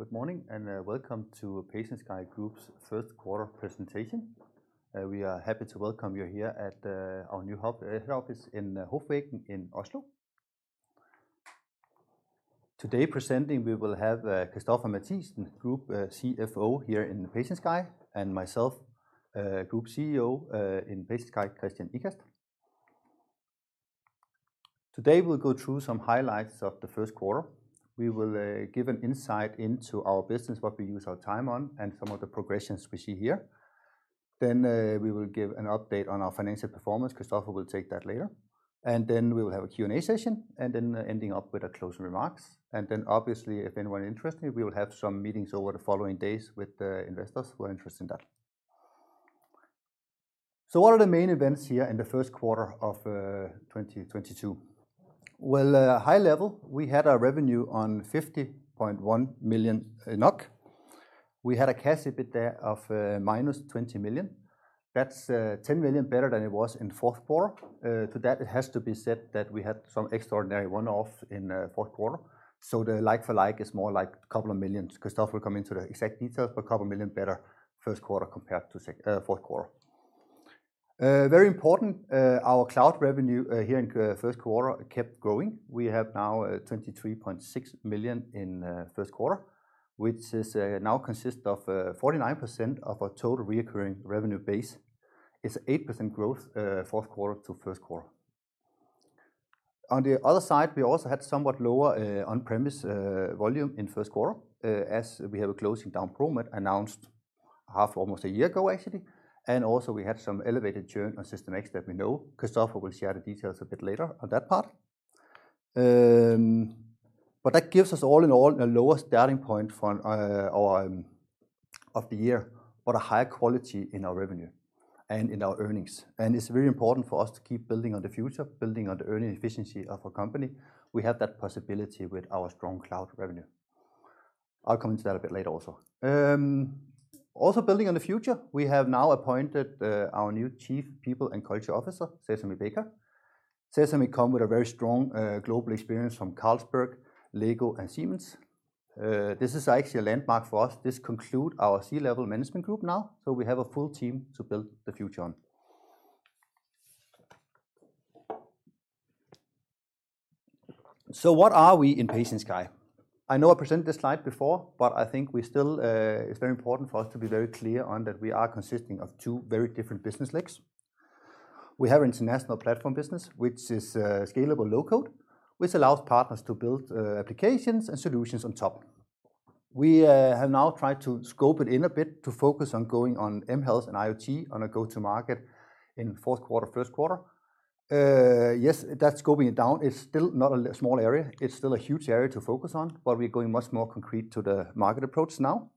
Good morning, welcome to PatientSky's Group first quarter presentation. We are happy to welcome you here at our new head office in Hoffsveien in Oslo. Today presenting, we will have Christoffer Mathiesen, Group CFO, here in PatientSky, and myself, Group CEO in PatientSky, Kristian Ikast. Today, we'll go through some highlights of the first quarter. We will give an insight into our business, what we use our time on, and some of the progressions we see here. We will give an update on our financial performance. Christoffer will take that later. We will have a Q&A session, and then ending up with the closing remarks. Obviously, if anyone interested, we will have some meetings over the following days with the investors who are interested in that. What are the main events here in the first quarter of 2022? High level, we had our revenue of 50.1 million NOK. We had a cash EBITDA of -20 million. That's 10 million better than it was in fourth quarter. To that it has to be said that we had some extraordinary one-off in fourth quarter, so the like for like is more like a couple of million. Christoffer will go into the exact details, but a couple million better first quarter compared to fourth quarter. Very important, our cloud revenue here in the first quarter kept growing. We have now 23.6 million in first quarter, which is now consists of 49% of our total recurring revenue base. It's 8% growth, fourth quarter to first quarter. On the other side, we also had somewhat lower on-premise volume in first quarter, as we have a closing down ProMed announced almost half a year ago, actually. Also, we had some elevated churn on System X that we know. Christoffer will share the details a bit later on that part. That gives us all in all a lower starting point from the start of the year, but a high quality in our revenue and in our earnings. It's very important for us to keep building on the future, building on the earning efficiency of our company. We have that possibility with our strong cloud revenue. I'll come into that a bit later also. Also building on the future, we have now appointed our new Chief People and Culture Officer, Jesper Ganc-Petersen. Jesper Ganc-Petersen come with a very strong global experience from Carlsberg, Lego, and Siemens. This is actually a landmark for us. This conclude our C-level management group now, so we have a full team to build the future on. What are we in PatientSky? I know I presented this slide before, but I think we still, it's very important for us to be very clear on that we are consisting of two very different business legs. We have international platform business, which is scalable low-code, which allows partners to build applications and solutions on top. We have now tried to scope it in a bit to focus on going on mHealth and IoT on a go-to-market in fourth quarter, first quarter. Yes, that's scoping it down. It's still not a small area. It's still a huge area to focus on, but we're going much more concrete to the market approach now.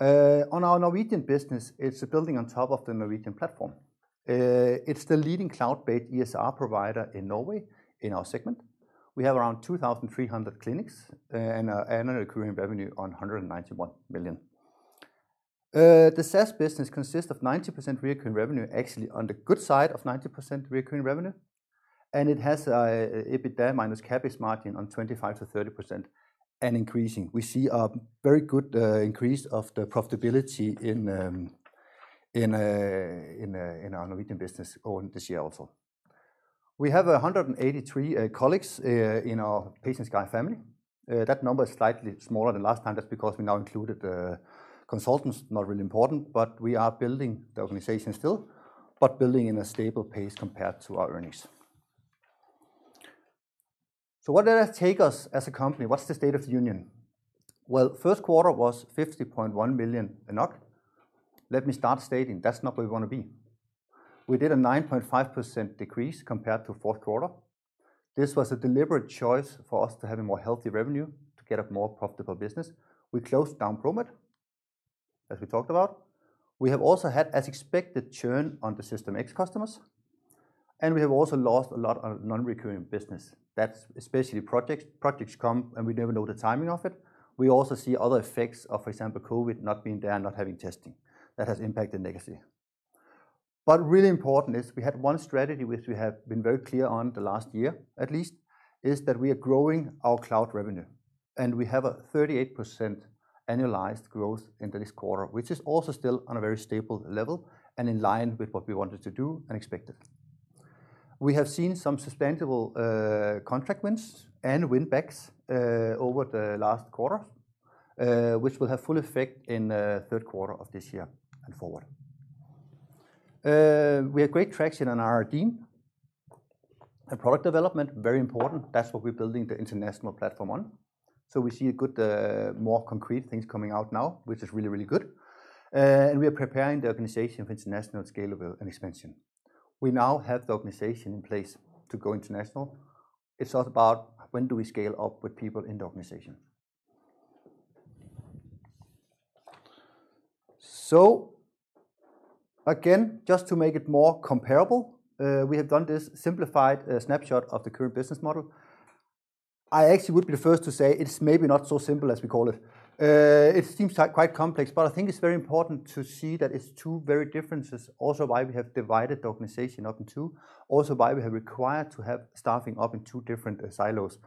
On our Norwegian business, it's building on top of the Norwegian platform. It's the leading cloud-based EHR provider in Norway in our segment. We have around 2,300 clinics and a recurring revenue of 191 million. The SaaS business consists of 90% recurring revenue, actually on the good side of 90% recurring revenue, and it has an EBITDA minus CapEx margin of 25%-30% and increasing. We see a very good increase of the profitability in our Norwegian business this year also. We have 183 colleagues in our PatientSky family. That number is slightly smaller than last time. That's because we now included consultants, not really important, but we are building the organization still, but building in a stable pace compared to our earnings. Where did that take us as a company? What's the state of the union? Well, first quarter was 50.1 million. Let me start stating that's not where we wanna be. We did a 9.5% decrease compared to fourth quarter. This was a deliberate choice for us to have a more healthy revenue to get a more profitable business. We closed down ProMed, as we talked about. We have also had, as expected, churn on the System X customers, and we have also lost a lot of non-recurring business. That's especially projects. Projects come, and we never know the timing of it. We also see other effects of, for example, COVID not being there, not having testing. That has impacted negatively. Really important is we had one strategy which we have been very clear on the last year, at least, is that we are growing our cloud revenue, and we have a 38% annualized growth into this quarter, which is also still on a very stable level and in line with what we wanted to do and expected. We have seen some sustainable, contract wins and win backs, over the last quarter, which will have full effect in, third quarter of this year and forward. We have great traction on our R&D. Our product development, very important. That's what we're building the international platform on. We see a good, more concrete things coming out now, which is really, really good. We are preparing the organization for international scalable and expansion. We now have the organization in place to go international. It's all about when do we scale up with people in the organization. Again, just to make it more comparable, we have done this simplified snapshot of the current business model. I actually would be the first to say it's maybe not so simple as we call it. It seems quite complex, but I think it's very important to see that it's two very different. Also why we have divided the organization up in two. Also why we have required to have staffing up in two different silos,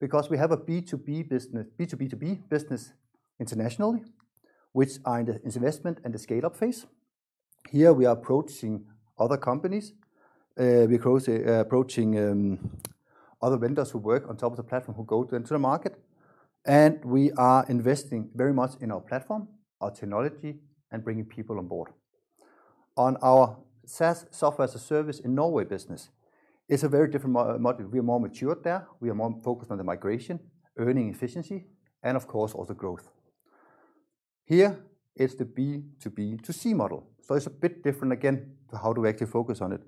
because we have a B2B business, B2B2B business internationally, which are in the investment and the scale-up phase. Here we are approaching other companies, we're approaching other vendors who work on top of the platform who go into the market, and we are investing very much in our platform, our technology, and bringing people on board. On our SaaS software as a service in Norway business, it's a very different model. We're more matured there, we are more focused on the migration, earning efficiency, and of course, also growth. Here is the B to B to C model. It's a bit different again to how do we actually focus on it.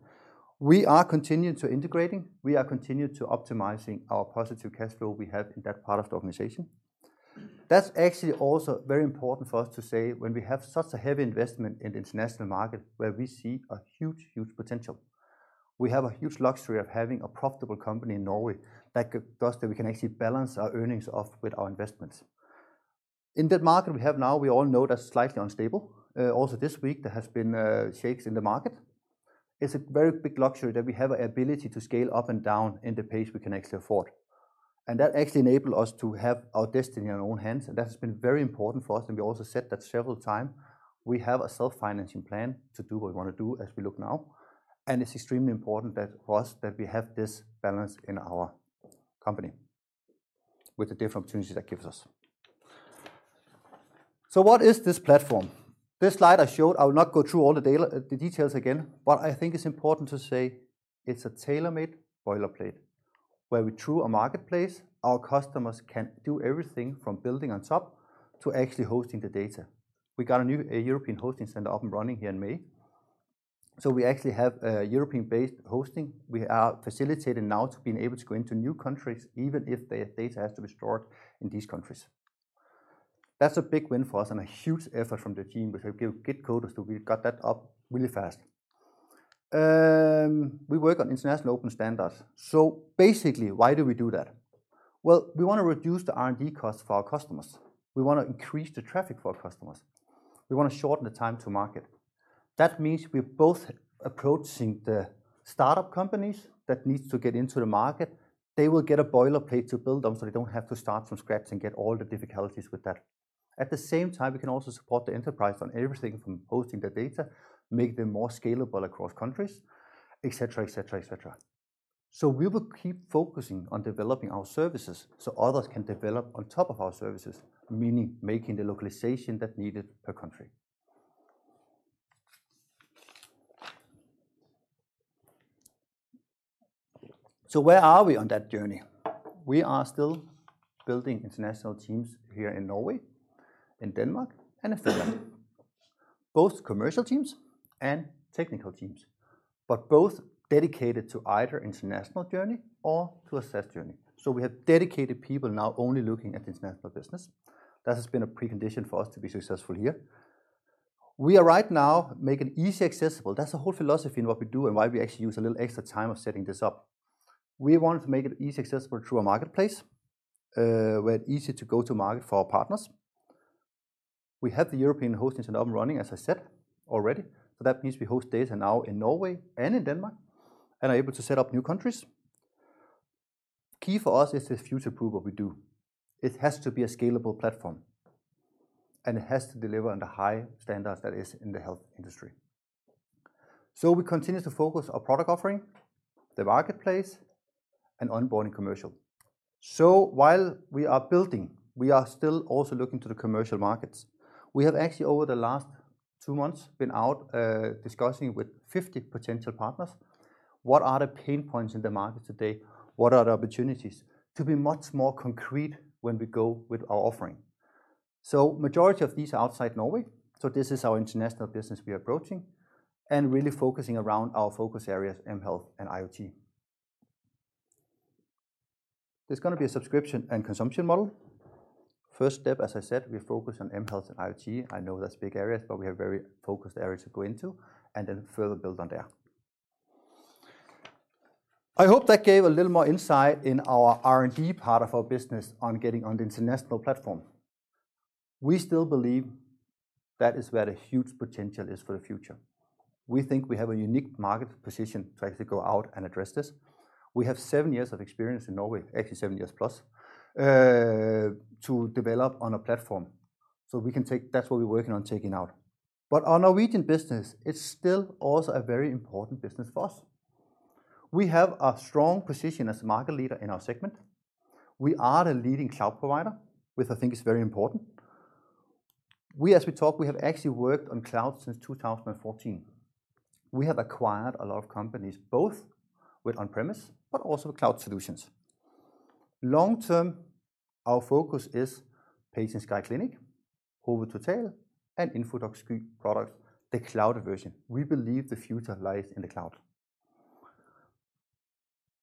We are continuing to integrating, we are continuing to optimizing our positive cash flow we have in that part of the organization. That's actually also very important for us to say when we have such a heavy investment in the international market where we see a huge, huge potential. We have a huge luxury of having a profitable company in Norway that we can actually balance our earnings off with our investments. In that market we have now, we all know that's slightly unstable. Also this week there has been shakes in the market. It's a very big luxury that we have ability to scale up and down in the pace we can actually afford. That actually enable us to have our destiny in our own hands, and that has been very important for us, and we also said that several time. We have a self-financing plan to do what we wanna do as we look now, and it's extremely important that for us that we have this balance in our company with the different opportunities that gives us. What is this platform? This slide I showed, I will not go through all the details again, but I think it's important to say it's a tailor-made boilerplate, where through a marketplace our customers can do everything from building on top to actually hosting the data. We got a new European hosting center up and running here in May, so we actually have European-based hosting. We are facilitating now to being able to go into new countries even if the data has to be stored in these countries. That's a big win for us and a huge effort from the team, which I give kudos to. We got that up really fast. We work on international open standards. Basically why do we do that? Well, we wanna reduce the R&D costs for our customers. We wanna increase the traffic for our customers. We wanna shorten the time to market. That means we're both approaching the startup companies that needs to get into the market. They will get a boilerplate to build on, so they don't have to start from scratch and get all the difficulties with that. At the same time, we can also support the enterprise on everything from hosting the data, make them more scalable across countries, et cetera, et cetera, et cetera. We will keep focusing on developing our services so others can develop on top of our services, meaning making the localization that's needed per country. Where are we on that journey? We are still building international teams here in Norway, in Denmark, and in Finland, both commercial teams and technical teams, but both dedicated to either international journey or to a SaaS journey. We have dedicated people now only looking at the international business. That has been a precondition for us to be successful here. We are right now making it easily accessible. That's the whole philosophy in what we do and why we actually use a little extra time of setting this up. We wanted to make it easily accessible through a marketplace, where it's easy to go to market for our partners. We have the European hosting center up and running, as I said already. That means we host data now in Norway and in Denmark and are able to set up new countries. Key for us is to future-proof what we do. It has to be a scalable platform, and it has to deliver under high standards that is in the health industry. We continue to focus our product offering, the marketplace, and onboarding commercial. While we are building, we are still also looking to the commercial markets. We have actually over the last two months been out, discussing with 50 potential partners what are the pain points in the market today, what are the opportunities to be much more concrete when we go with our offering. Majority of these are outside Norway, so this is our international business we are approaching and really focusing around our focus areas, mHealth and IoT. There's gonna be a subscription and consumption model. First step, as I said, we focus on mHealth and IoT. I know that's big areas, but we have very focused areas to go into and then further build on there. I hope that gave a little more insight in our R&D part of our business on getting on the international platform. We still believe that is where the huge potential is for the future. We think we have a unique market position to actually go out and address this. We have seven years of experience in Norway, actually seven years plus to develop on a platform. So that's what we're working on taking out. But our Norwegian business is still also a very important business for us. We have a strong position as market leader in our segment. We are the leading cloud provider, which I think is very important. We, as we talk, we have actually worked on cloud since 2014. We have acquired a lot of companies, both with on-premise but also cloud solutions. Long term, our focus is PatientSky Clinic, Hode til Tå, and Infodoc Sky product, the cloud version. We believe the future lies in the cloud.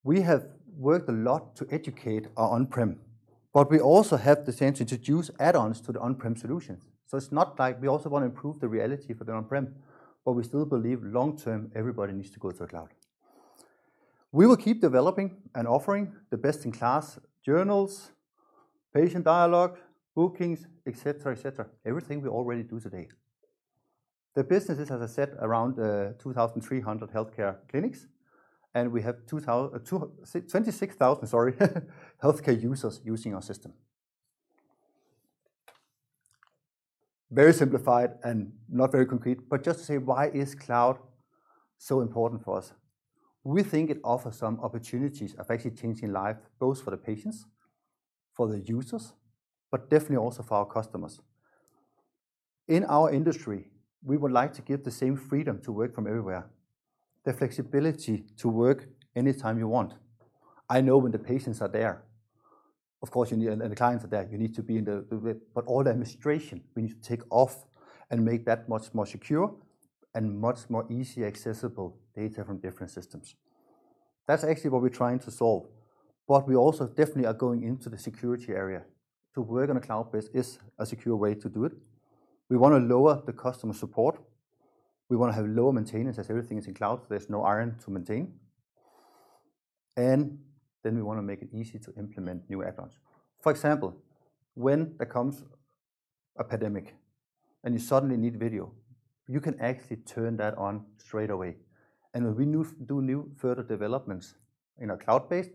We have worked a lot to educate our on-prem, but we also have the chance to introduce add-ons to the on-prem solutions. It's not like we also wanna improve the reality for the on-prem, but we still believe long term everybody needs to go to the cloud. We will keep developing and offering the best-in-class journals, patient dialogue, bookings, et cetera, et cetera, everything we already do today. The business is, as I said, around 2,300 healthcare clinics, and we have 26,000, sorry, healthcare users using our system. Very simplified and not very concrete, but just to say why is cloud so important for us? We think it offers some opportunities of actually changing life, both for the patients, for the users, but definitely also for our customers. In our industry, we would like to give the same freedom to work from everywhere. The flexibility to work anytime you want. I know when the patients are there, of course, and the clients are there, you need to be in the, but all the administration we need to take off and make that much more secure and much more easy accessible data from different systems. That's actually what we're trying to solve. We also definitely are going into the security area. To work on a cloud-based is a secure way to do it. We wanna lower the customer support. We wanna have lower maintenance. As everything is in cloud, there's no iron to maintain. We wanna make it easy to implement new add-ons. For example, when there comes a pandemic, and you suddenly need video, you can actually turn that on straight away. When we do new further developments in our cloud-based,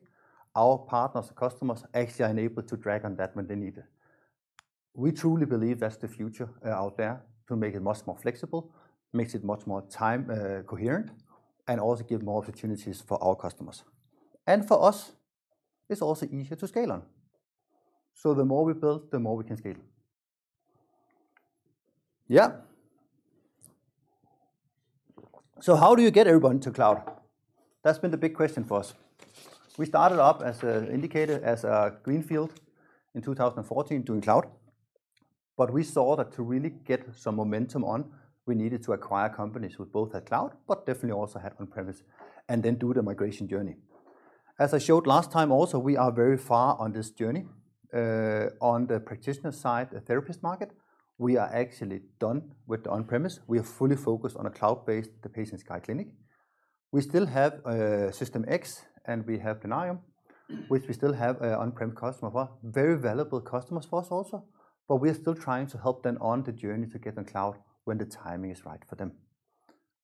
our partners and customers actually are enabled to draw on that when they need it. We truly believe that's the future out there to make it much more flexible, makes it much more timely coherent, and also give more opportunities for our customers. For us, it's also easier to scale on. The more we build, the more we can scale. Yeah. How do you get everyone to cloud? That's been the big question for us. We started up as indicated, as a greenfield in 2014 doing cloud. We saw that to really get some momentum on, we needed to acquire companies who both had cloud, but definitely also had on-premise, and then do the migration journey. As I showed last time also, we are very far on this journey. On the practitioner side, the therapist market, we are actually done with the on-premise. We are fully focused on a cloud-based PatientSky Clinic. We still have System X, and we have Denium, which we still have on-prem customer. Very valuable customers for us also, but we are still trying to help them on the journey to get on cloud when the timing is right for them.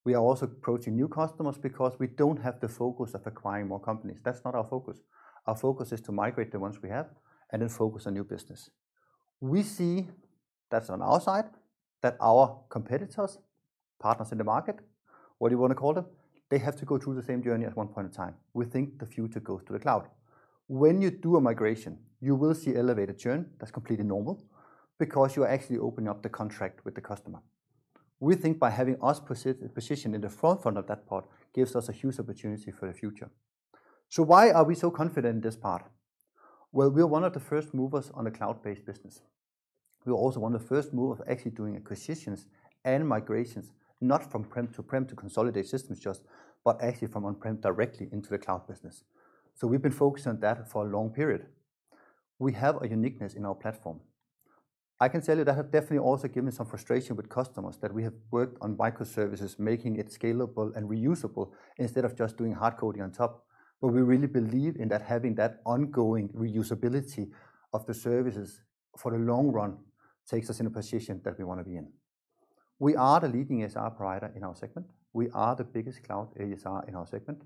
We are also approaching new customers because we don't have the focus of acquiring more companies. That's not our focus. Our focus is to migrate the ones we have and then focus on new business. We see that's on our side, that our competitors, partners in the market, whatever you wanna call them, they have to go through the same journey at one point in time. We think the future goes to the cloud. When you do a migration, you will see elevated churn. That's completely normal because you are actually opening up the contract with the customer. We think by having us positioned in the forefront of that part gives us a huge opportunity for the future. Why are we so confident in this part? Well, we're one of the first movers on a cloud-based business. We're also one of the first movers of actually doing acquisitions and migrations, not from on-prem to on-prem to consolidate systems just, but actually from on-prem directly into the cloud business. We've been focusing on that for a long period. We have a uniqueness in our platform. I can tell you that has definitely also given me some frustration with customers that we have worked on microservices, making it scalable and reusable instead of just doing hard coding on top. We really believe in that having that ongoing reusability of the services for the long run takes us in a position that we wanna be in. We are the leading EHR provider in our segment. We are the biggest cloud EHR in our segment.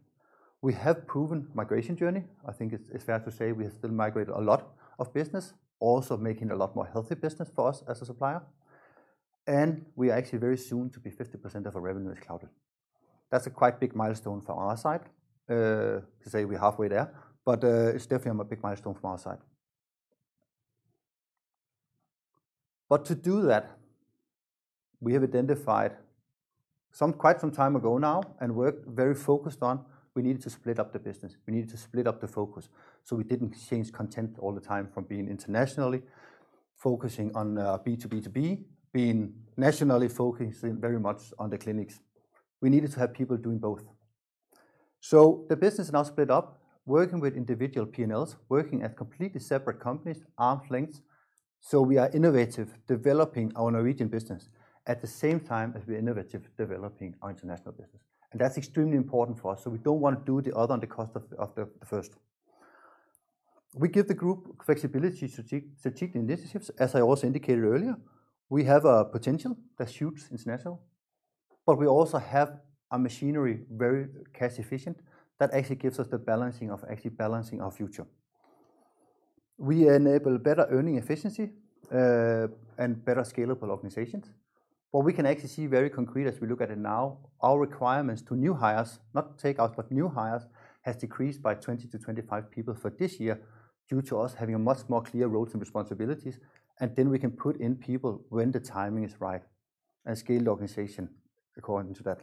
We have proven migration journey. I think it's fair to say we have still migrated a lot of business, also making a lot more healthy business for us as a supplier. We are actually very soon to be 50% of our revenue is cloud. That's a quite big milestone from our side to say we're halfway there, but it's definitely a big milestone from our side. To do that, we have identified quite some time ago now and worked very focused on we needed to split up the business. We needed to split up the focus, so we didn't change context all the time from being internationally focusing on B2B2B, being nationally focusing very much on the clinics. We needed to have people doing both. The business now split up, working with individual P&Ls, working at completely separate companies, arm's lengths. We are innovative, developing our Norwegian business at the same time as we're innovative, developing our international business. That's extremely important for us. We don't want to do the other on the cost of the first. We give the group flexibility strategic initiatives. As I also indicated earlier, we have a potential that's huge international, but we also have a machinery very cash efficient that actually gives us the balancing of actually balancing our future. We enable better earning efficiency and better scalable organizations. We can actually see very concrete as we look at it now, our requirements to new hires, not take out, but new hires has decreased by 20-25 people for this year due to us having a much more clear roles and responsibilities, and then we can put in people when the timing is right and scale the organization according to that.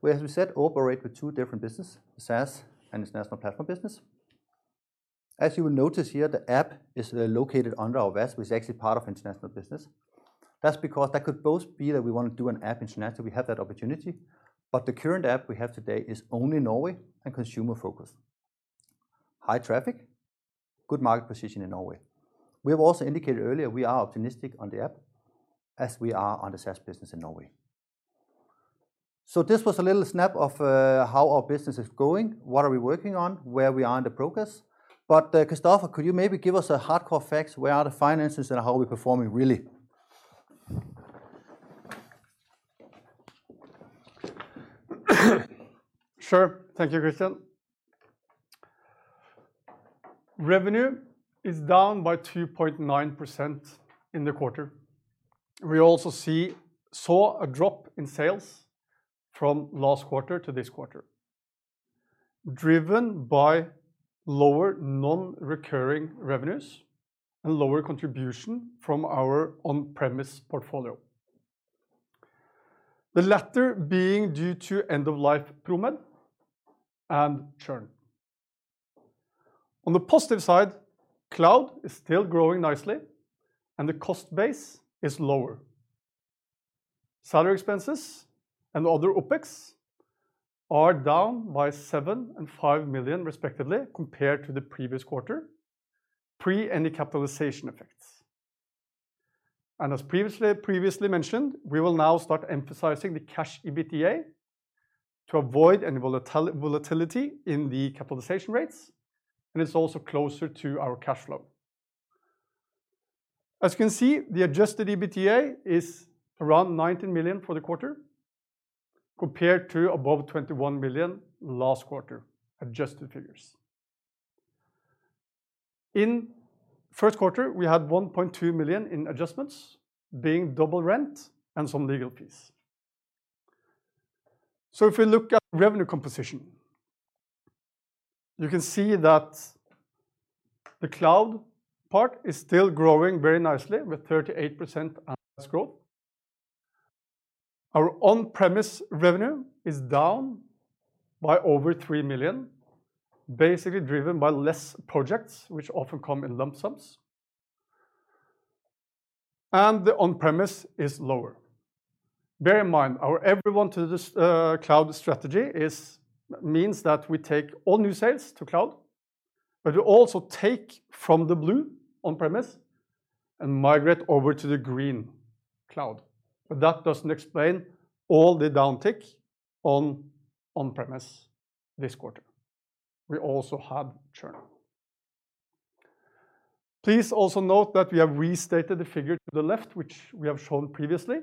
We, as we said, operate with two different business, SaaS and international platform business. As you will notice here, the app is located under our VAS, which is actually part of international business. That's because that could both be that we wanna do an app international, we have that opportunity, but the current app we have today is only Norway and consumer focused. High traffic, good market position in Norway. We have also indicated earlier we are optimistic on the app as we are on the SaaS business in Norway. This was a little snap of how our business is going, what are we working on, where we are in the proress. Christoffer, could you maybe give us hardcore facts, where are the finances and how are we performing really? Sure. Thank you, Kristian. Revenue is down by 2.9% in the quarter. We also see a drop in sales from last quarter to this quarter, driven by lower non-recurring revenues and lower contribution from our on-premise portfolio. The latter being due to end of life ProMed and churn. On the positive side, cloud is still growing nicely and the cost base is lower. Salary expenses and other OpEx are down by 7 million and 5 million, respectively, compared to the previous quarter, pre any capitalization effects. As previously mentioned, we will now start emphasizing the cash EBITDA to avoid any volatility in the capitalization rates. It's also closer to our cash flow. As you can see, the adjusted EBITDA is around 19 million for the quarter, compared to above 21 million last quarter, adjusted figures. In first quarter, we had 1.2 million in adjustments, being double rent and some legal fees. If we look at revenue composition, you can see that the cloud part is still growing very nicely with 38% annual growth. Our on-premise revenue is down by over 3 million, basically driven by less projects which often come in lump sums. The on-premise is lower. Bear in mind, our evolution to this cloud strategy means that we take all new sales to cloud, but we also take from the blue on-premise and migrate over to the green cloud. That doesn't explain all the downtick on on-premise this quarter. We also had churn. Please also note that we have restated the figure to the left, which we have shown previously,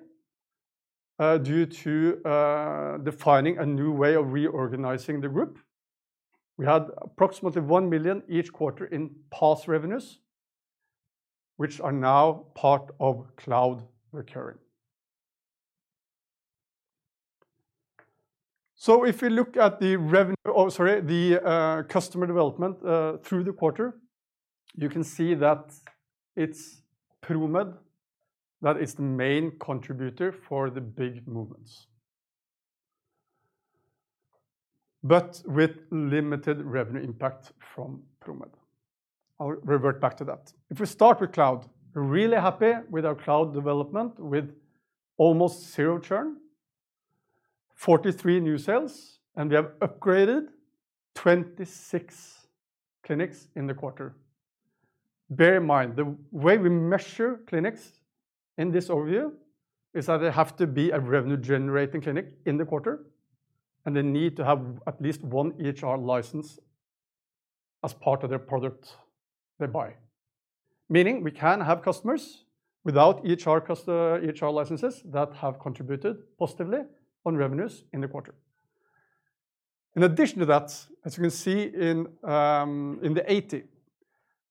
due to defining a new way of reorganizing the group. We had approximately 1 million each quarter in past revenues, which are now part of cloud recurring. If we look at the customer development through the quarter, you can see that it's ProMed that is the main contributor for the big movements. With limited revenue impact from ProMed. I'll revert back to that. If we start with cloud, we're really happy with our cloud development with almost zero churn, 43 new sales, and we have upgraded 26 clinics in the quarter. Bear in mind, the way we measure clinics in this overview is that they have to be a revenue generating clinic in the quarter, and they need to have at least one EHR license as part of their product they buy. Meaning we can have customers without EHR licenses that have contributed positively on revenues in the quarter. In addition to that, as you can see in the 80,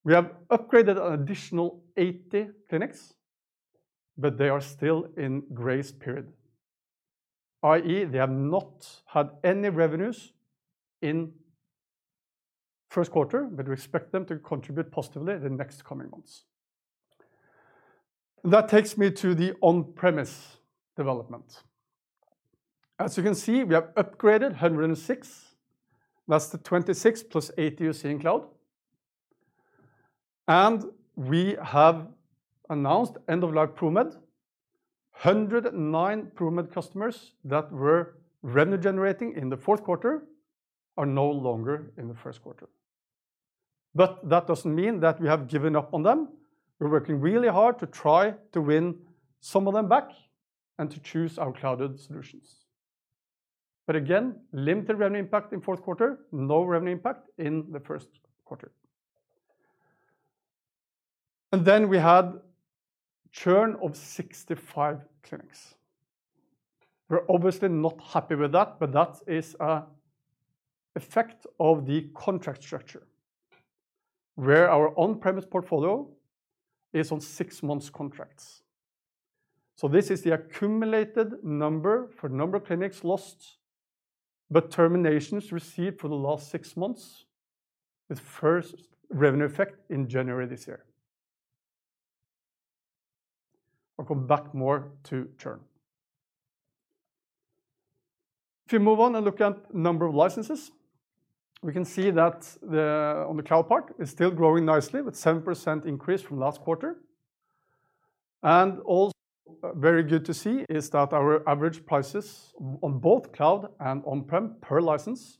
we have upgraded an additional 80 clinics, but they are still in grace period, i.e., they have not had any revenues in first quarter, but we expect them to contribute positively in the next coming months. That takes me to the on-premise development. As you can see, we have upgraded 106. That's the 26 plus 80 you see in cloud. We have announced end of life ProMed. 109 ProMed customers that were revenue generating in the fourth quarter are no longer in the first quarter. That doesn't mean that we have given up on them. We're working really hard to try to win some of them back and to choose our cloud solutions. Again, limited revenue impact in fourth quarter, no revenue impact in the first quarter. We had churn of 65 clinics. We're obviously not happy with that, but that is an effect of the contract structure, where our on-premise portfolio is on six-month contracts. This is the accumulated number of clinics lost, but terminations received for the last six months with first revenue effect in January this year. I'll come back more to churn. If you move on and look at number of licenses, we can see that on the cloud part, it's still growing nicely with 7% increase from last quarter. Also very good to see is that our average prices on both cloud and on-prem per license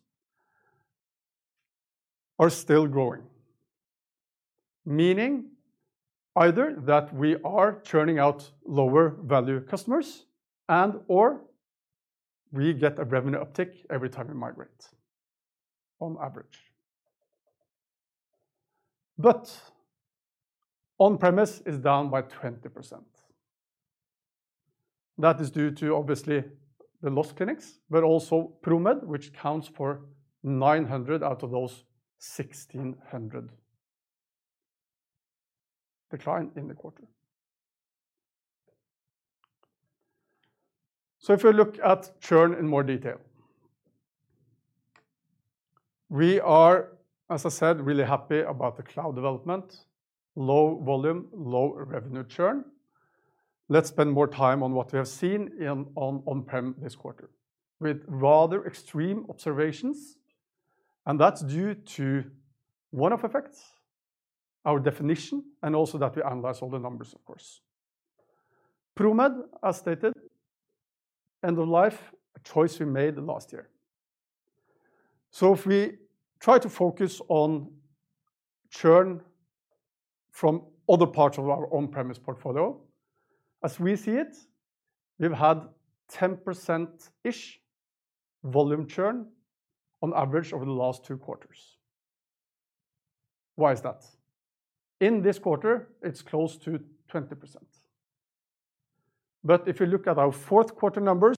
are still growing. Meaning either that we are churning out lower value customers and/or we get a revenue uptick every time we migrate on average. On-premise is down by 20%. That is due to obviously the lost clinics, but also ProMed, which counts for 900 out of those 1,600 decline in the quarter. If you look at churn in more detail. We are, as I said, really happy about the cloud development, low volume, low revenue churn. Let's spend more time on what we have seen in, on-prem this quarter with rather extreme observations, and that's due to one of the effects, our definition, and also that we analyze all the numbers, of course. ProMed, as stated, end of life, a choice we made last year. If we try to focus on churn from other parts of our on-premise portfolio, as we see it, we've had 10%-ish volume churn on average over the last two quarters. Why is that? In this quarter, it's close to 20%. If you look at our fourth quarter numbers,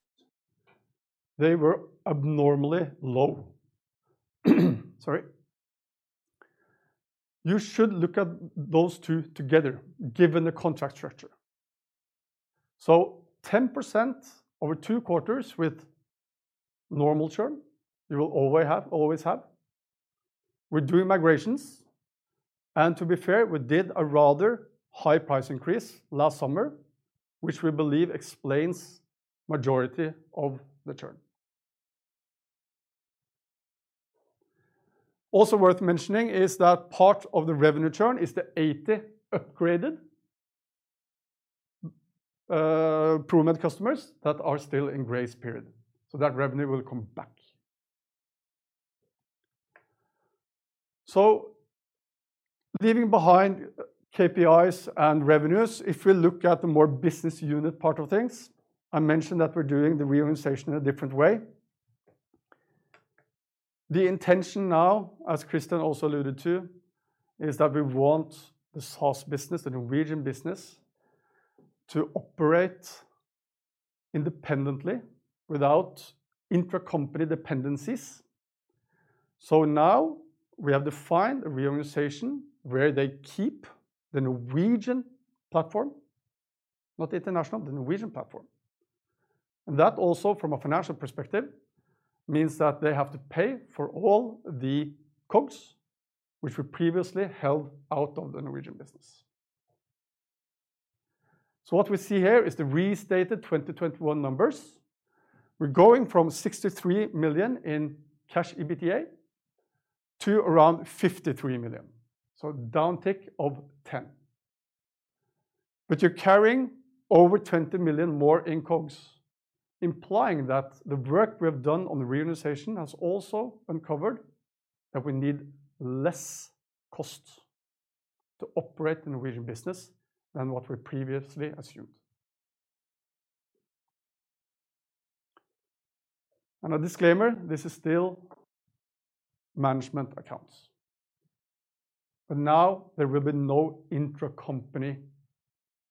they were abnormally low. Sorry. You should look at those two together, given the contract structure. 10% over two quarters with normal churn, you will always have. We're doing migrations, and to be fair, we did a rather high price increase last summer, which we believe explains majority of the churn. Also worth mentioning is that part of the revenue churn is the 80 upgraded ProMed customers that are still in grace period. That revenue will come back. Leaving behind KPIs and revenues, if we look at the more business unit part of things, I mentioned that we're doing the reorganization in a different way. The intention now, as Kristian also alluded to, is that we want the SaaS business, the Norwegian business, to operate independently without intracompany dependencies. Now we have defined a reorganization where they keep the Norwegian platform, not international, the Norwegian platform. That also from a financial perspective means that they have to pay for all the COGS, which were previously held out of the Norwegian business. What we see here is the restated 2021 numbers. We're going from 63 million in Cash EBITDA to around 53 million. Downtick of 10 million. You're carrying over 20 million more in COGS, implying that the work we have done on the reorganization has also uncovered that we need less costs to operate the Norwegian business than what we previously assumed. A disclaimer, this is still management accounts. Now there will be no intracompany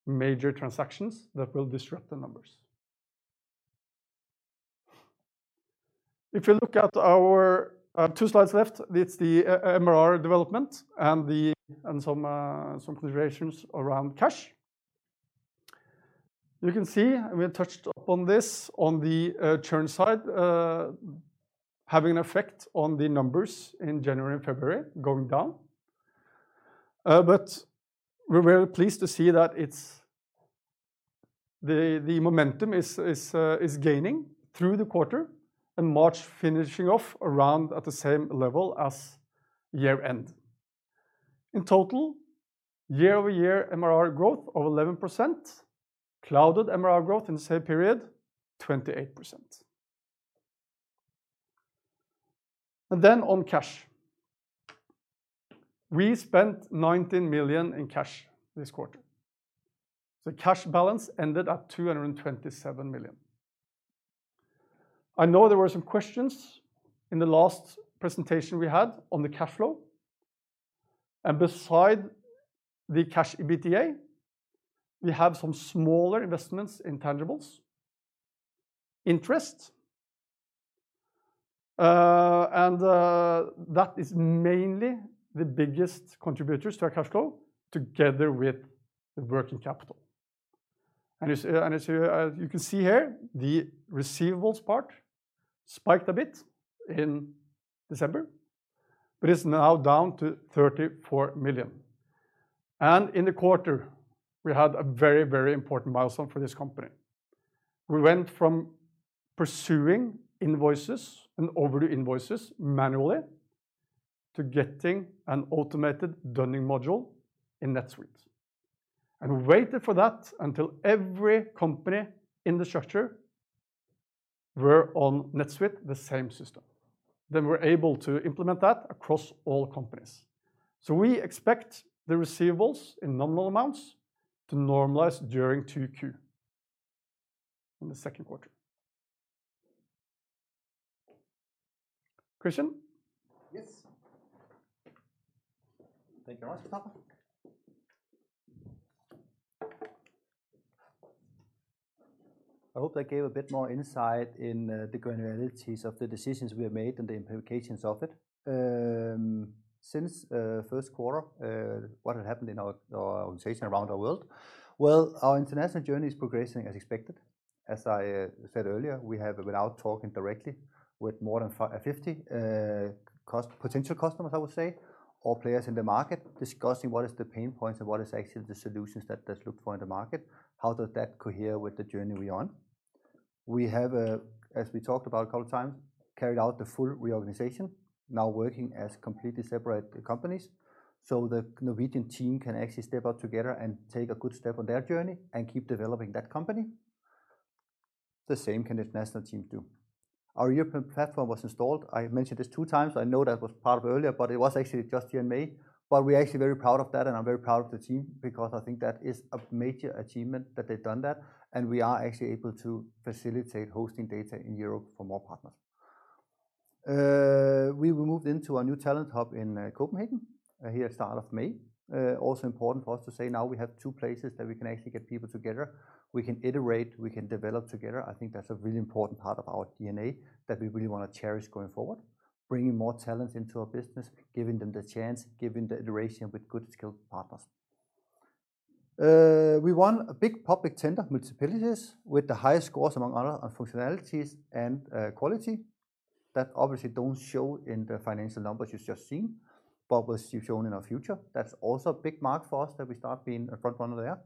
major transactions that will disrupt the numbers. If you look at our two slides left, it's the MRR development and some considerations around cash. You can see we touched upon this on the churn side, having an effect on the numbers in January and February going down. We're very pleased to see that the momentum is gaining through the quarter and March finishing off around at the same level as year-end. In total, year-over-year MRR growth of 11%, cloud MRR growth in the same period, 28%. On cash. We spent 19 million in cash this quarter. The cash balance ended at 227 million. I know there were some questions in the last presentation we had on the cash flow. Besides the cash EBITDA, we have some smaller investments in tangibles, interest, that is mainly the biggest contributors to our cash flow together with the working capital. As you can see here, the receivables part spiked a bit in December, but it's now down to 34 million. In the quarter, we had a very, very important milestone for this company. We went from pursuing invoices and overdue invoices manually to getting an automated dunning module in NetSuite. We waited for that until every company in the structure were on NetSuite, the same system. Then we're able to implement that across all companies. We expect the receivables in nominal amounts to normalize during 2Q, in the second quarter. Kristian? Yes. Thank you very much, Christoffer. I hope that gave a bit more insight in the granularities of the decisions we have made and the implications of it. Since first quarter, what had happened in our organization around the world, well, our international journey is progressing as expected. As I said earlier, we have been out talking directly with more than 50 potential customers, I would say, or players in the market, discussing what the pain points are and what the solutions actually are that they're looking for in the market, how does that cohere with the journey we're on. We have, as we talked about a couple times, carried out the full reorganization, now working as completely separate companies, so the Norwegian team can actually step out together and take a good step on their journey and keep developing that company. The same can the international team do. Our European platform was installed. I mentioned this two times. I know that was part of earlier, but it was actually just here in May. We're actually very proud of that, and I'm very proud of the team because I think that is a major achievement that they've done that, and we are actually able to facilitate hosting data in Europe for more partners. We were moved into our new talent hub in Copenhagen, here start of May. Also important for us to say now we have two places that we can actually get people together. We can iterate, we can develop together. I think that's a really important part of our DNA that we really wanna cherish going forward, bringing more talent into our business, giving them the chance, giving the iteration with good skilled partners. We won a big public tender municipalities with the highest scores among other functionalities and, quality. That obviously don't show in the financial numbers you've just seen, but will be shown in our future. That's also a big mark for us that we start being a front runner there.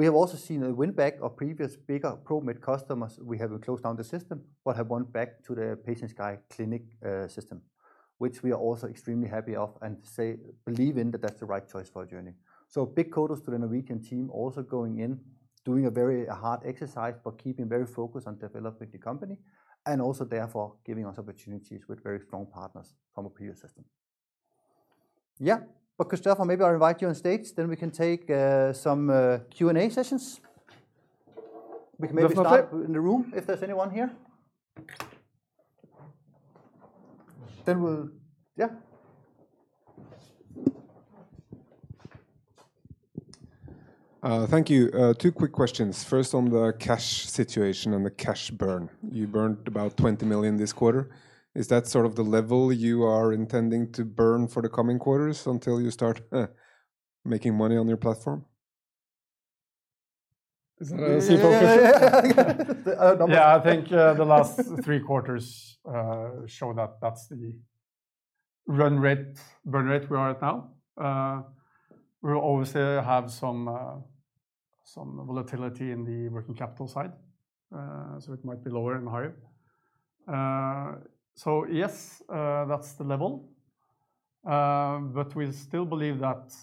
We have also seen a win back of previous bigger ProMed customers. We have closed down the system, but have gone back to the PatientSky Clinic system, which we are also extremely happy about and we believe in that that's the right choice for our journey. Big kudos to the Norwegian team also going in, doing a very hard exercise, but keeping very focused on developing the company and also therefore giving us opportunities with very strong partners from a PaaS system. Christoffer, maybe I'll invite you on stage, then we can take some Q&A sessions. We can maybe start in the room if there's anyone here. Thank you. Two quick questions. First, on the cash situation and the cash burn. You burned about 20 million this quarter. Is that sort of the level you are intending to burn for the coming quarters until you start making money on your platform? Is it CFO focus? Yeah. Yeah. No. Yeah, I think the last three quarters show that that's the run rate, burn rate we are at now. We will obviously have some volatility in the working capital side, so it might be lower and higher. Yes, that's the level. We still believe that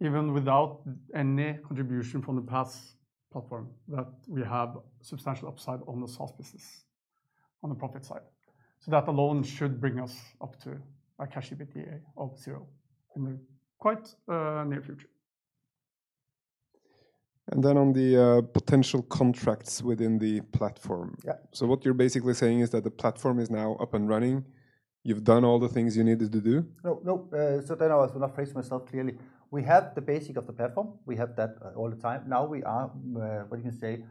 even without any contribution from the SaaS platform, that we have substantial upside on the SaaS business, on the profit side. That alone should bring us up to a cash EBITDA of zero in the quite near future. Then on the potential contracts within the platform. Yeah. What you're basically saying is that the platform is now up and running. You've done all the things you needed to do. No, no. I did not phrase myself clearly. We have the basics of the platform. We have that all the time. Now we are, what you can say,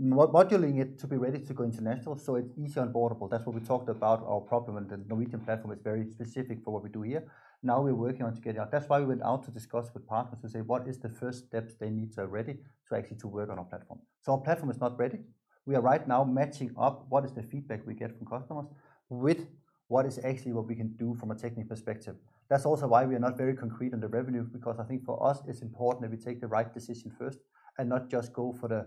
modularizing it to be ready to go international, so it's easier and portable. That's what we talked about our problem, and the Norwegian platform is very specific for what we do here. Now we're working on together. That's why we went out to discuss with partners to say, what is the first steps they need to ready to actually to work on our platform? Our platform is not ready. We are right now matching up what is the feedback we get from customers with what is actually what we can do from a technical perspective. That's also why we are not very concrete on the revenue, because I think for us, it's important that we take the right decision first and not just go for the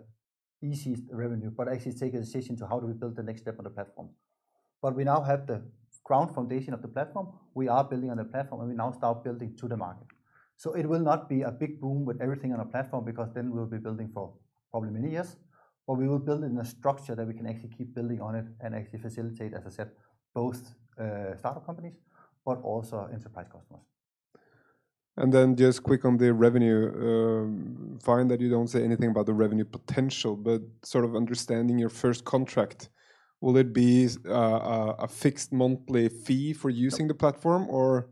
easiest revenue, but actually take a decision to how do we build the next step on the platform. We now have the ground foundation of the platform. We are building on the platform, and we now start building to the market. It will not be a big boom with everything on a platform because then we'll be building for probably many years. We will build in a structure that we can actually keep building on it and actually facilitate, as I said, both, startup companies, but also enterprise customers. I find that you don't say anything about the revenue potential, but sort of understanding your first contract, will it be a fixed monthly fee for using the platform or?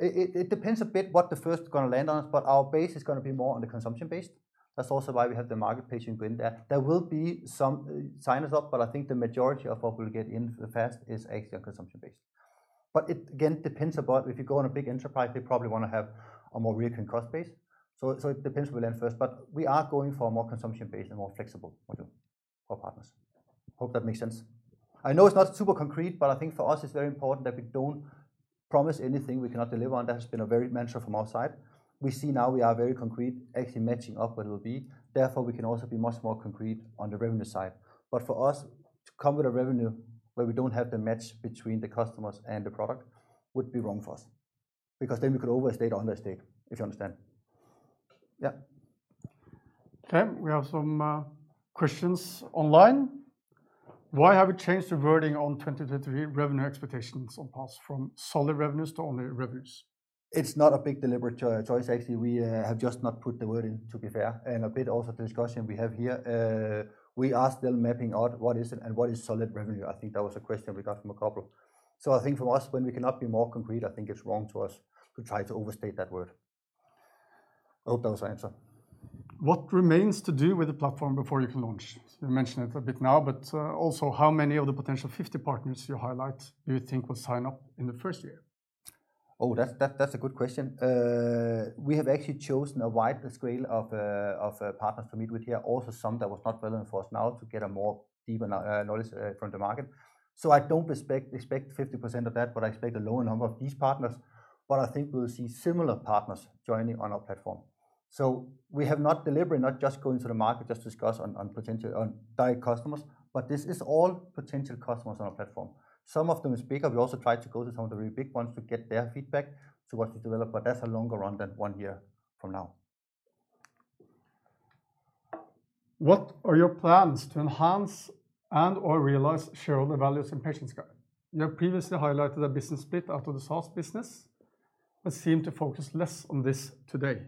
It depends a bit what the first gonna land on us, but our base is gonna be more on the consumption based. That's also why we have the marketplace, patients going there. There will be some sign-ups, but I think the majority of what we'll get is actually a consumption based. But it again depends upon if it's a big enterprise, they probably wanna have a more fixed cost base. So it depends where we land first, but we are going for a more consumption based and more flexible model for partners. Hope that makes sense. I know it's not super concrete, but I think for us it's very important that we don't promise anything we cannot deliver on. That has been a very mantra from our side. We see now we are very concrete actually matching up what it will be. Therefore, we can also be much more concrete on the revenue side. For us to come with a revenue where we don't have the match between the customers and the product would be wrong for us, because then we could overstate or understate, if you understand. Yeah. Okay. We have some questions online. Why have you changed the wording on 2023 revenue expectations on PatientSky's from solid revenues to only revenues? It's not a big deliberate choice actually. We have just not put the word in, to be fair, and a bit also discussion we have here. We are still mapping out what is it and what is solid revenue. I think that was a question we got from a couple. I think from us, when we cannot be more concrete, I think it's wrong to us to try to overstate that word. I hope that was the answer. What remains to do with the platform before you can launch? You mentioned it a bit now, but, also how many of the potential 50 partners you highlight do you think will sign up in the first year? Oh, that's a good question. We have actually chosen a wide scale of partners to meet with here. Also, some that was not relevant for us now to get a more deeper knowledge from the market. I don't expect 50% of that, but I expect a lower number of these partners. I think we'll see similar partners joining on our platform. We have not deliberately not just going to the market, just discuss potential direct customers, but this is all potential customers on our platform. Some of them is bigger. We also try to go to some of the really big ones to get their feedback to what we develop, but that's a longer run than one year from now. What are your plans to enhance and/or realize shareholder values in PatientSky? You have previously highlighted a business split after the SaaS business, but seem to focus less on this today.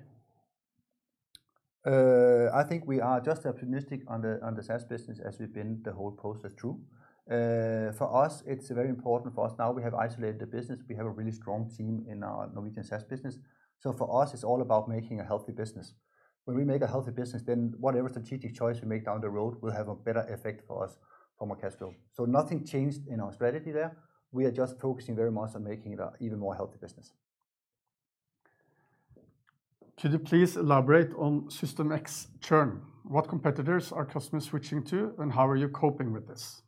I think we are just optimistic on the SaaS business as we've been the whole process through. For us, it's very important now we have isolated the business. We have a really strong team in our Norwegian SaaS business. For us, it's all about making a healthy business. When we make a healthy business, then whatever strategic choice we make down the road will have a better effect for us from our cash flow. Nothing changed in our strategy there. We are just focusing very much on making it an even more healthy business. Could you please elaborate on System X churn? What competitors are customers switching to, and how are you coping with this?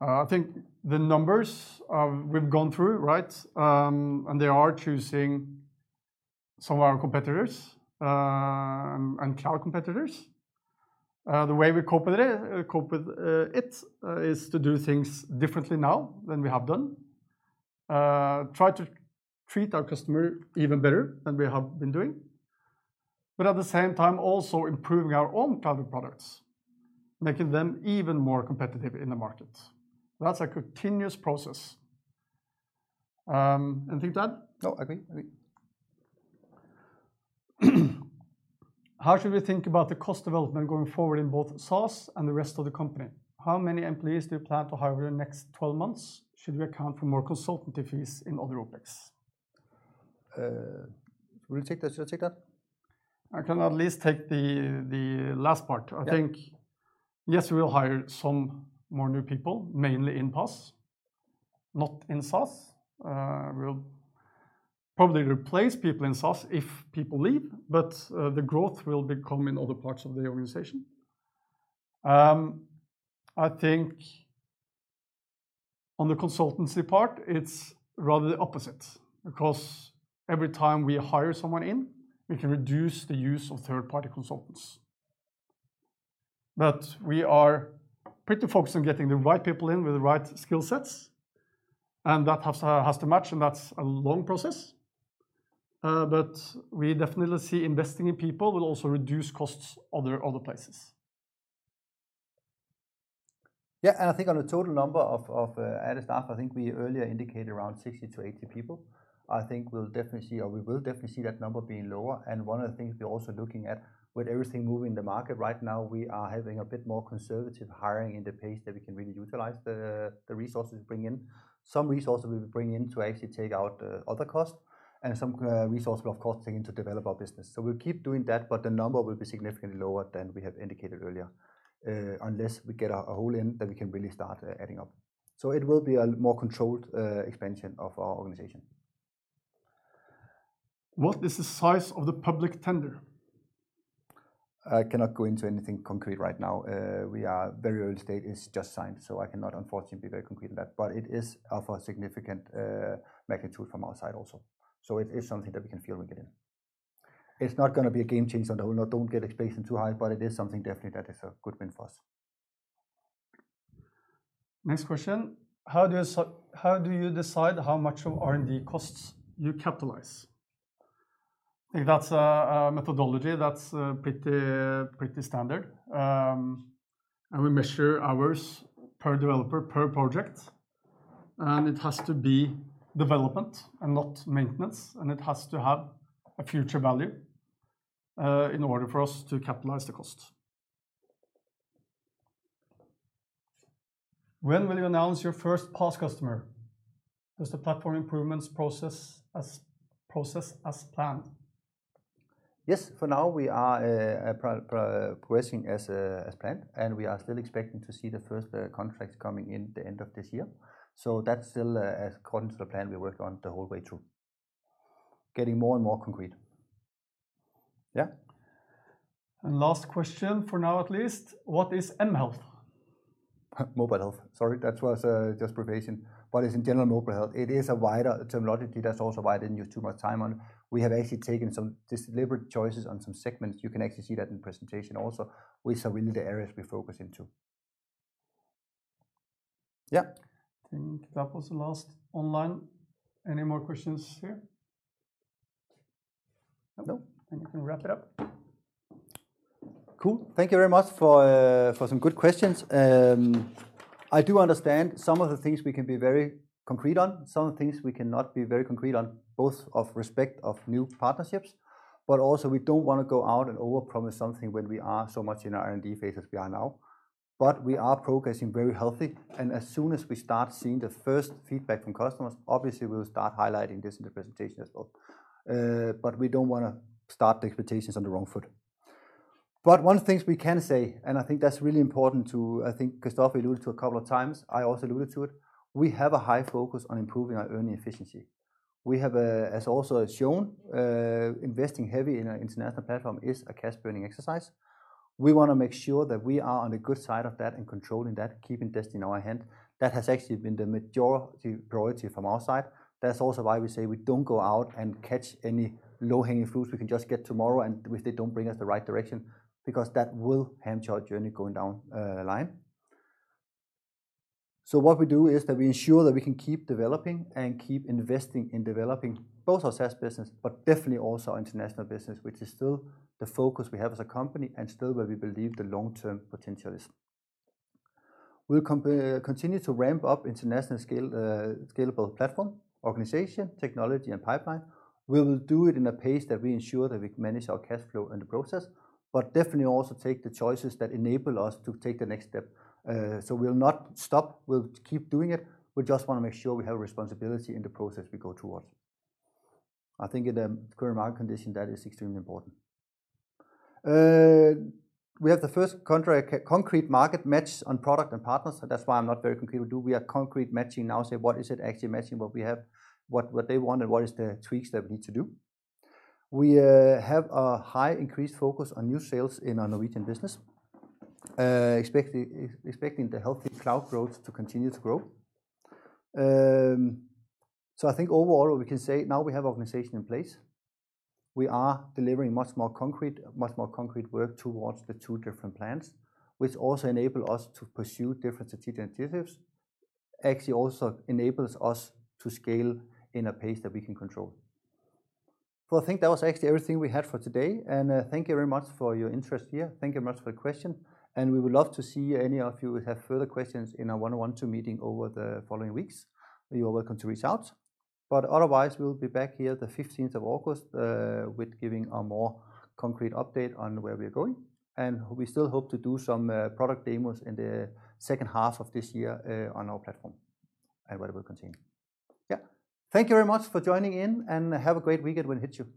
I think the numbers we've gone through, right? They are choosing some of our competitors and cloud competitors. The way we cope with it is to do things differently now than we have done. Try to treat our customer even better than we have been doing, but at the same time, also improving our own cloud products, making them even more competitive in the market. That's a continuous process. Anything to add? No, agree. Agree. How should we think about the cost development going forward in both SaaS and the rest of the company? How many employees do you plan to hire over the next 12 months? Should we account for more consultant fees in other OpEx? Will you take that? Should I take that? I can at least take the last part. Yeah. I think, yes, we will hire some more new people, mainly in PaaS, not in SaaS. We'll probably replace people in SaaS if people leave, but the growth will be in other parts of the organization. I think on the consultancy part, it's rather the opposite, because every time we hire someone in, we can reduce the use of third-party consultants. We are pretty focused on getting the right people in with the right skill sets, and that has to match, and that's a long process. We definitely see investing in people will also reduce costs other places. Yeah. I think on the total number of added staff, I think we earlier indicated around 60-80 people. I think we'll definitely see that number being lower. One of the things we're also looking at, with everything moving in the market right now, we are having a bit more conservative hiring in the pace that we can really utilize the resources we bring in. Some resources we bring in to actually take out other costs and some resource we'll of course take in to develop our business. We'll keep doing that, but the number will be significantly lower than we have indicated earlier, unless we get a hole that we can really start adding up. It will be a more controlled expansion of our organization. What is the size of the public tender? I cannot go into anything concrete right now. We are very early stage. It's just signed, so I cannot unfortunately be very concrete in that. It is of a significant magnitude from our side also. It is something that we can feel we get in. It's not gonna be a game changer, though. No, don't get expectations too high, but it is something definitely that is a good win for us. Next question: How do you decide how much of R&D costs you capitalize? I think that's a methodology that's pretty standard. We measure hours per developer per project, and it has to be development and not maintenance, and it has to have a future value in order for us to capitalize the cost. When will you announce your first PaaS customer? Does the platform improvement progress as planned? Yes. For now, we are progressing as planned, and we are still expecting to see the first contracts coming in the end of this year. That's still according to the plan we worked on the whole way through. Getting more and more concrete. Yeah. Last question, for now at least: What is mHealth? Mobile health. Sorry, that was just preparation. It's in general mobile health. It is a wider terminology. That's also why I didn't use too much time on it. We have actually taken some deliberate choices on some segments. You can actually see that in presentation also, which are really the areas we focus into. Yeah. I think that was the last online. Any more questions here? No, and you can wrap it up. Cool. Thank you very much for some good questions. I do understand some of the things we can be very concrete on, some things we cannot be very concrete on, both with respect to new partnerships, but also we don't wanna go out and overpromise something when we are so much in R&D phase as we are now. We are progressing very healthy, and as soon as we start seeing the first feedback from customers, obviously, we'll start highlighting this in the presentation as well. We don't wanna start the expectations on the wrong foot. One thing we can say, and I think that's really important. I think Christoffer alluded to a couple of times, I also alluded to it, we have a high focus on improving our earning efficiency. We have, as also shown, investing heavy in an international platform is a cash burning exercise. We wanna make sure that we are on the good side of that and controlling that, keeping this in our hand. That has actually been the majority priority from our side. That's also why we say we don't go out and catch any low-hanging fruits we can just get tomorrow, and if they don't bring us the right direction, because that will hamper our journey going down line. What we do is that we ensure that we can keep developing and keep investing in developing both our SaaS business, but definitely also our international business, which is still the focus we have as a company and still where we believe the long-term potential is. We'll continue to ramp up international scale, scalable platform, organization, technology, and pipeline. We will do it in a pace that we ensure that we can manage our cash flow in the process, but definitely also take the choices that enable us to take the next step. We'll not stop. We'll keep doing it. We just wanna make sure we have responsibility in the process we go towards. I think in the current market condition, that is extremely important. We have the first concrete market match on product and partners. That's why I'm not very concrete. We are concrete matching now, say, what is it actually matching what we have, what they want, and what is the tweaks that we need to do. We have a high increased focus on new sales in our Norwegian business, expecting the healthy cloud growth to continue to grow. I think overall, we can say now we have organization in place. We are delivering much more concrete work towards the two different plans, which also enable us to pursue different strategic initiatives. Actually, also enables us to scale in a pace that we can control. Well, I think that was actually everything we had for today. Thank you very much for your interest here. Thank you very much for the question, and we would love to see any of you who have further questions in our one-on-one meeting over the following weeks. You're welcome to reach out. We'll be back here the fifteenth of August with giving a more concrete update on where we're going. We still hope to do some product demos in the second half of this year on our platform and where we will continue. Yeah. Thank you very much for joining in, and have a great weekend when it hits you.